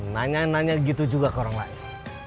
nanya nanya gitu juga ke orang lain